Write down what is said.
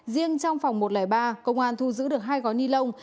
riêng trong phòng một trăm linh ba công an thu giữ được hai gói ni lông